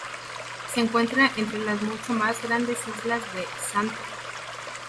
Se encuentra entre las mucho más grandes isla de St.